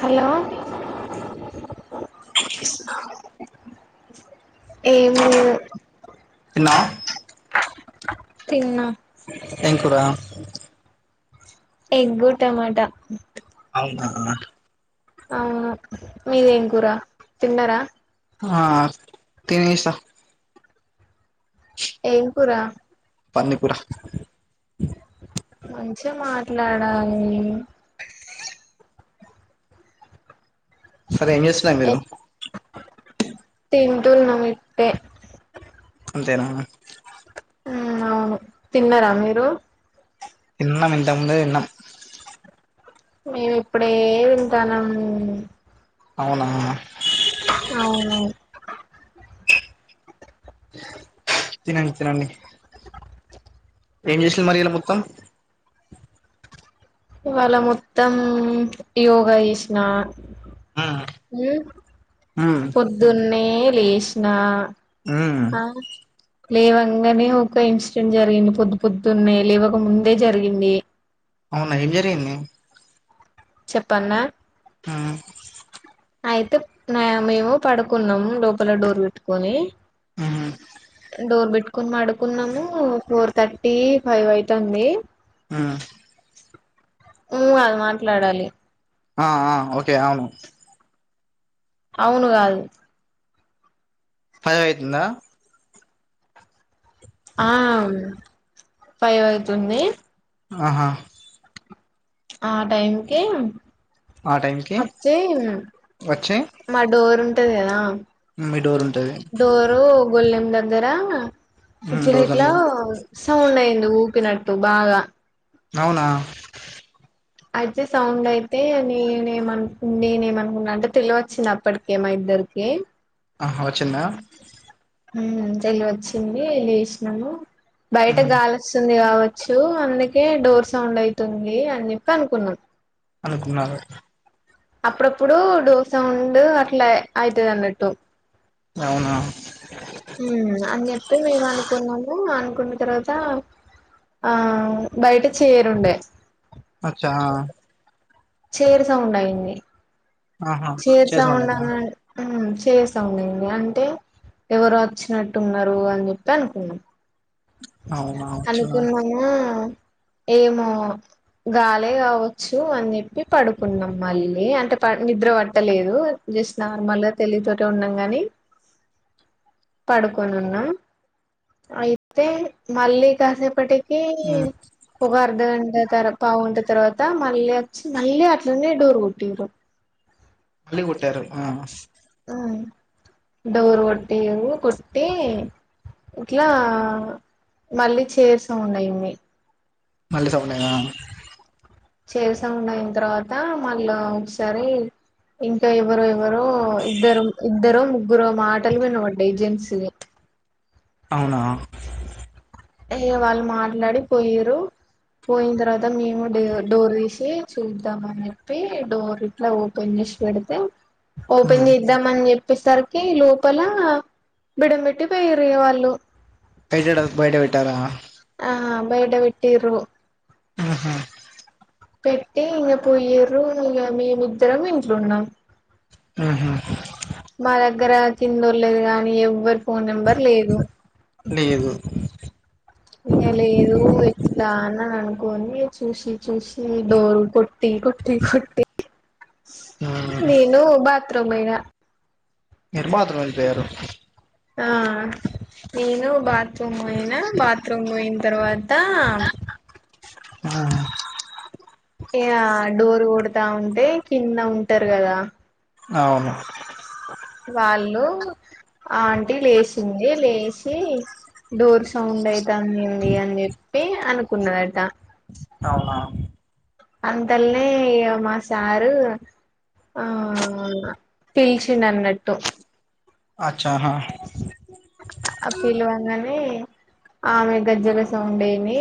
Hello ఏం చేస్తున్నావ్ ఏమి తిన్నా తిన్నా ఏం కూరా ఎంగూ టమాట అవునా అవును మీదేం కూరా తిన్నార ఆ తినేసా ఏపురా పన్నీపుర మంచిగా మాట్లాడాలి. [unintelligible] అదే ఎం చేసిన మీరు తిందుల్ నమిట్టే అంతేనా ఉ అవును తిన్నారా మీరు. తిన్నాం ఇంతకుముందే తిన్నాం మేమి ఇప్పుడే తింటానం. అవునా [unintelligible] అవును తినండి, తినండి ఏం చేసంది మరి ఇలా మొత్తం. ఇవాళ మొత్తం యోగా చేసిన ఉమ్ ఉ ఉమ్ పొద్దున్నే లేసిన ఉమ్. లేవంగానే ఒక ఇన్సిడెంట్ జరిగింది. పొద్దు పొద్దున్న లేవక ముందే జరిగింది. అవునా ఏం జరిగింది? చెప్పన్న ఊ అయితే మేము పడుకున్నాము. లోపల డోర్ పెట్టుకొని ఉమ్ డోర్ పెట్టుకొని పడుకున్నాము, ఫోర్ థర్టీ ఫైవ్ అవుతుంది. ఊ ఊ అని మాట్లాడాలి ఆ ఆ ఓకే అవును అవును కాదు. ఫైవ్ అయితుంద. ఆవును ఫైవ్ అయితుంది. ఆహా ఆ టైంకి ఆ టైంకి అట్లే వచ్చి మా డోర్ ఉంటదు కదా మీ డోర్ ఉంటది డోరు గొల్లెం దగ్గర ఉమ్ ఇట్లా డోర్ ఇట్లా దగ్గర సౌండ్ అయింది. ఊ చెప్పినట్టు బాగా అవునా అయితే సౌండ్ అయితే నేనుమనుకు నేనుమనుకున్నా అంటే తెలి వచ్చింది అప్పటికే మా ఇద్దరికి. అహ వచ్చిందా హ తెలివి వచ్చింది లెసినాము. బయట ఉమ్ గాలి వస్తుంది కాబట్టి చ్చు అందుకే డోర్ సౌండ్ అవుతుంది అని చెప్పి అనుకున్నాం. అనుకున్నారు అప్పుడప్పుడు డోర్ సౌండ్ అట్లే ఆయితదనట్టు. అవునా హమ్ అని చెప్పి మేము అనుకున్నాము అనుకున్న తర్వాత ఆ బయట చేయరుండే అచ్చా ఆ చేేరు సౌండయింది ఆహా చైర్ సౌండయింది చైర్ సౌండయింతే అంటే ఎవరు వచ్చినట్టు ఉన్నారు అని చెప్పి అనుకున్నాం అవునా అచ్చా అనుకునామ్ ఏమో గాలే కావచ్చు అని చెప్పి పడుకున్నాం మళ్ళీ, అంటే నిద్ర పట్టలేదు జస్ట్ నార్మల్గా తెలితోట ఉన్నాం ని పడుకొని ఉన్నాం ఐతే ఐతే మల్లి కాసేపటికి ఏ మ్మ్ [unintelligible] కుగా అర్ధగంట తరు పావుగంట తర్వాత మళ్ళీ వచ్చి మళ్ళీ అట్లనే డోర్ కొట్టిరు మళ్ళీ కొట్టారు ఆ ఆ డోర్ కొట్టిరు కొట్టి ఇట్లా మళ్ళీ చైర్ సౌండ్ అయింది మళ్ళీ సౌండ్ అయిందా ఆ చైర్ సౌండ్ అయినా తర్వాత మళ్ళా ఒకసారి ఇంకా ఎవరు ఎవరో ఇద్దరు ఇద్దరో ముగు ముగ్గురు మాటలు వినంబడాయి జెంట్స్ ఇదే అవునా ఏ వాళ్ళు మాట్లాడి పోయిరు పోయిన తర్వాత మేము డే డోర్ తీసి చూదాం అని చెప్పి డోర్ ఇట్లా ఓపెన్ చేసి పెడితే ఓపెన్ మ్మ్ చేద్దాం అని చెప్ చెప్పేసరికి లోపల బెడం పెట్టి పోయిరు ఇగ వాళ్ళు యేసడంగ్ బయట పెట్టారా ఆ బయట పెట్టిరూ ఉహూ పెట్టి ఇగ పోయిరు ఇగ మీమీద్దరం ఇంట్లునామ్ ఉహ్ హు మా దగ్గర చిన్నోలూరు లేరు కానీ ఎవరు ఫోన్ నెంబర్ లేదు, లేదు ఇగ లేదు ఎట్లానా కొన్ని చూసి చూసి డోరు కొట్టి కొట్టి కొట్టి మ్మ్ నేను బాత్ తో మీద ఎటు మాత్రం వెళ్ళిపోయారు ఆ నేను బాత తృం పోయినా బాత్రూమ్ పోయినా తర్వాత్ ఆ ఆ ఇహ డోర్ కొడతా ఉంటే కింద ఉంటరు కదా అవును వాళ్ళు ఆంటీ లేశింది లేశి డోర్ సౌండ్ అయిత్ తన్ని అన్ని చెప్ ఏంటి అనుకుందట అవునా అంతల్నే ఇగ మా సారు ఆ పీల్చిడనట్టు అచ్చా హ ఆ పిలవంగానే ఆమె గజ్జ గజ్జ సౌండ్ విని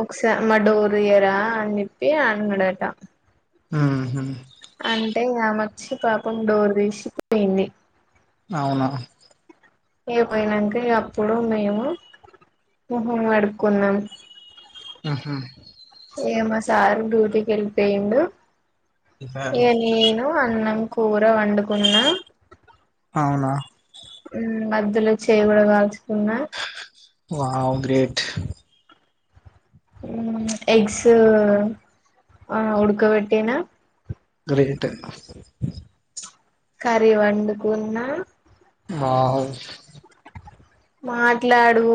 ఒకసారీ మా డోర్ తీయరా అని చేపి అన్నాడంట హమ్ అంటే ఆమో వచ్చి పాపం డోర్ తీసి తీచిపోయింది అవునా ఇగ పోయినాక అపుడు మేము మొహం కడుపుకున్నాం ఉహ్ హు ఏమో సారు డ్యూటీకి వెళ్ళిపోయిడు వెళ్ళిపోయారు ఏను నే ను అన్నం కూర వండుకున్న అవునా మధ్యలో చెయ్య కూడా కాల్చుకున్న వావ్ గ్రేట్ హమ్ ఎగ్గ్సు ఉడకపెట్టియనా గ్రే అబ్బా కర్రీ వండుకున్నా ఆ ఉచ్ మాట్లాడు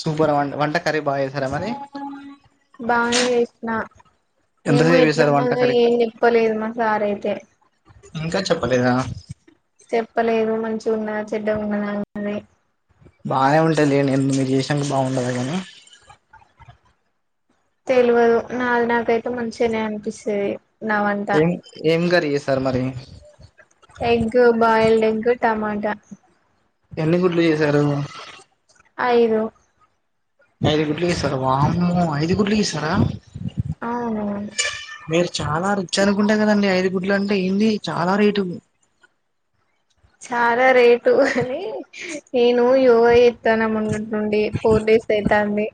సూపర్ వంట వంట కర్రీ బాగా చేసారా మరి బానే చేసిన ఏమో ఎంతసేపు చేసారు వంట ఎట్లున్నదో కర్రీ ఏం చెప్పాలేదు మా సార్ అయితే ఇంకా చెప్పలేదా చెప్పలేదు మంచిగా ఉన్నదా చెడ్డ ఉన్నదా అన్నది బానే ఉంటాది లెండి మీరు చేసాక బాగుండది కానీ తెలివదు నాది నాకైతే మంచిగానే అనిపిస్తాది ఏం ఏం గ లేదు సార్ మరి ఎగ్ బాయిల్డ్ ఎగ్ టమాటో టమాటా ఎన్ని గుడ్లు చేసారు ఐదు ఐదు గుడ్లు చేశారా వామ్మో ఐదు గుడ్లు చేశారా అవును మీరు చాలా రిచ్ అనుకుంటే కదండి ఐదు గుడ్లు అంటే ఏంది చాలా రేటు చాలా రేటు అ నేను ఓవర్ చెత్తనువ నుండి ఫోర్ డేస్ అయితాంది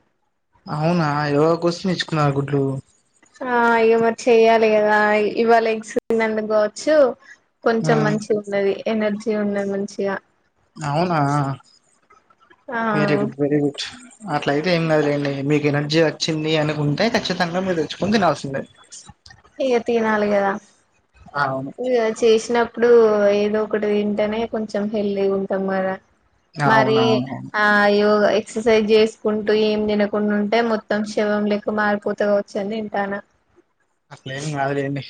అవునా ఇగ కోసంతేచ్చుకున్నారు గుడ్లు ఆ ఏమో చెయ్యాలి కదా ఇవాళ ఎగ్స్ వండుకోవచ్చు ఆ కొంచెం మంచిగా ఉండది ఎనర్జీ ఉండదు మంచిగా అవునా ఆ వెరి గుడ్ వెరీ గుడ్ అట్లయితే ఏం కాదులెండి మీకు ఎనర్జీ వచ్చింది అనుకుంటే ఖచ్చితంగా మీరు తెచ్చుకొని తినల్సిందే ఇక తినాలి కదా అవును ఇగ చేసినప్పుడు ఏ ఏదో ఒకటి తింటేనే కొంచెం హెల్తీగా ఉంటాం కదా మరి అవునవునవును ఆ ఇవుగా ఇవ్ ఎక్ససైయిజ్ చేసుకుంటూ ఏం తినకుండా ఉంటే మొత్తం శవం లెక్క మారిపోతగావచ్చుని తింటాన అట్లేం కాదులేండి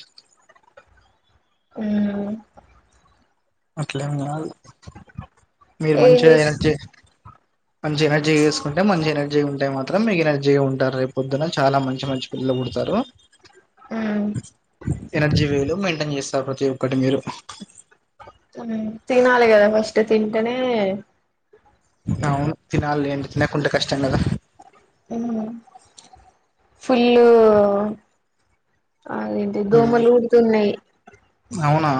మ్మ్ అట్లేం గాదు మీరు ఏం మంచిగా చేస్ ఎనర్జీ మంచి ఎనర్జీ వేసుకుంటే మంచి ఎనర్జీ ఉంటే మాత్రం ఎనర్జీ ఉంటారు రేపు పొద్దున చాలా మంచి మంచి పిల్లలు పుడతారు ఉమ్ ఎనర్జీ వేరు మైండ్ ఏం చేస్తారు ప్రతి ఒక్కటి మీరు మ్మ్ తినాలి కదా ఫస్ట్ తింటేనే అవును తినాల్లేండి తిన్నకుంటే కష్టం కద మ్మ్ ఫుల్లు అదేంటి ఉమ్, దోమలు కుడుతున్నాయి అవునా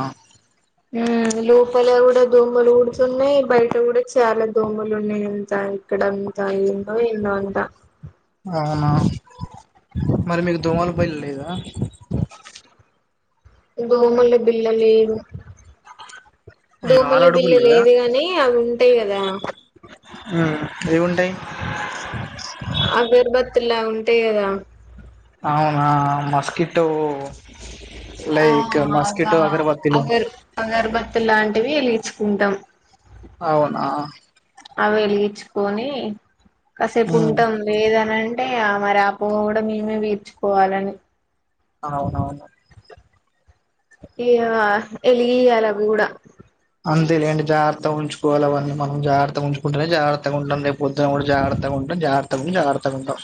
మ్మ్ లోపల కూడా దోమలు కుడుతున్నాయి బయట కూడా చాలా దోమలు ఉన్నాయి ఎంత ఇక్కడ అంతా ఏందో ఏమో అంత అవునా మరి మీకు దోమలు బయ ల్లు లేదా దోమల బిల్ల లేదు అయ్యో, దోమల ఆలు బిల్ల అడుగులు లేదా లేదు గాని అవి ఉంటాయి కదా ఉమ్, ఏవి ఉంటాయి అగర్బత్ ఇలా ఉంటాయి కదా అవునా మస్కీటో ఆ అద అగరు అగరుబత్తి ఇలాంటివి ఎలిగించుకుంటాం అవునా అవి వెలిగించుకొని కాసేపు ఉమ్, ఉంటం లేదనంటే అంటే మరి ఆ పొగ కూడా మేమే పీల్చుకోవాలని అవునవును ఇగ ఎలిగియాల గూడా అంతేలేండి జాగ్రత్తగా ఉంచుకోవాలి అవన్నీ మనం జాగ్రత్తగ ఉంచుకుంటేనే జాగ్రత్తగ ఉంటాం రేపు పొద్దున కూడా జాగ్రత్తగ ఉంటాం జాగ్రత్తగ జాగ్రత్తగ ఉంటాం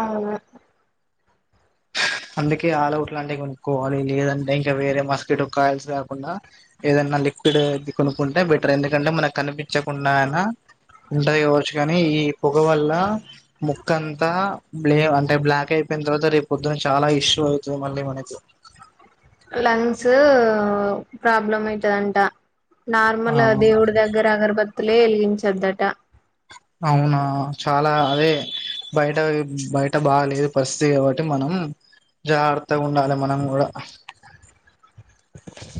అవును అందుకే ఆలవుట్లాంటివి కొనుక్కోవాలి లేదంటే ఇంకా వేరే మస్కీటో కాయల్స్ కాకుండా ఏదన్నా లిక్విడ్ కొనుక్కుంటే బెటర్ ఎందుకంటే మనకు కనిపించకుండా అయినా ఉంటది కావచ్చు కానీ ఈ పొగ వల్ల ముక్క అంతా బ్లే అంటే బ్లాక్ అయిపోయిన తర్వాత రేపు పొద్దున చాలా ఇష్యూ అవుతది మళ్ళీ మనకి లంగ్స్ ప్రాబ్లం అయితదంట నార్మల్ అవును దేవుడు దగ్గర అగర బత్ త్తులే వెలిగించొద్దట అవునా చాలా అదే బయట బయట బాగాలేదు పరిస్థితి కాబట్టి మనం జాగ్రత్తగా ఉండాలి మనం కూడా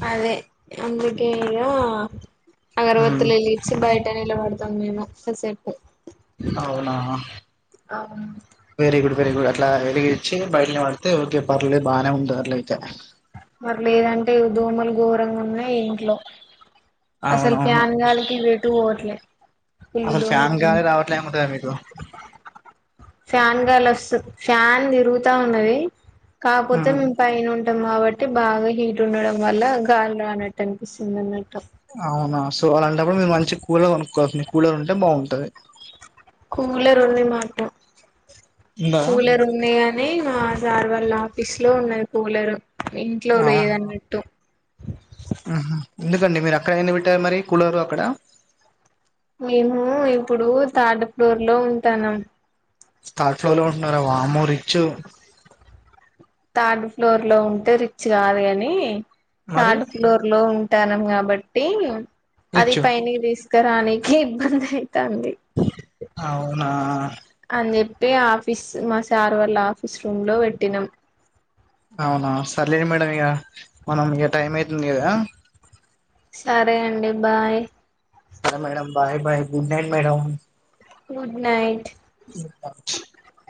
అదే అందుకే ఇగ ఉమ్ అగరవత్తుల ఎలిగిచ్చి బయట నిలబడ తం మేము కొద్ది సేపు మాహా అవును [unintelligible] కూడా అట్లా ఎలిగిచ్చి బయటనిలబడితే ఓకే పర్లేదు బానే ఉంటాది అట్లైతే మరి లేదంటే దోమలు ఘోరంగున్నాయి ఇంట్లో అసలు అవునవును ప్యాన్ గాలికి ఇవెటూ బోవట్లే అసలు ఫ్యాన్ గాలి రావట్లే ముదే మీకు ఫ్యాన్ గాలొస్తు ఫ్యాన్ తిరుగుతా ఉన్నది కాకపోతే ఉమ్ మేము పైనుం [inaudible] బట్టి బాగా హీట్ ఉండడం వల్ల గాలి రానట్టు అనిపిస్తుంది అన్నట్టు అవునా సో అలాంటప్పుడు మీరు మంచి కూలర్ కొనుక్కోండి కూలర్ ఉంటే బావుంటది కూలరు ఉనిన్నట్టు ఉందా కూలర్ ఉంది కాని [inaudible] సార్ వాళ్ళ ఆఫీస్ లో ఉన్నది కూలరు ఇంట్లో లేదన్నట్టు ఆహా ఎందుకండి మీరు ఎక్కడ ఎందుకు పెట్టారు మరి కూలరు అక్కడ మేము ఇప్పుడు థర్డ్ ఫ్లోర్ లో ఉంటానం థార్డ్ ఫ్లోర్లో ఉంటున్నారా వామ్మో రిచ్చు థర్డ్ ఫ్లోర్ లో ఉంటే రిచ్ కాదు కాని మరి థర్డ్ ఫ్లోర్ లో ఉంటానాం కాబట్టి అది రిచ్ పైనే తీస్ రానీకి ఇబ్బందైతాంది అవునా అని చెప్పి ఆఫీస్ మా సార్ వాళ్ళ ఆఫీస్ రూమ్ లో పెట్టినం అవునా సర్లేండి మేడం ఇగ మనం ఇక టైం ఐతుంది కదా సరే అండి బాయ్ సరే madam bye bye good night madam good night [unintelligible]